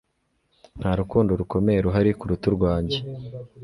nta rukundo rukomeye ruhari kuruta urwanjye.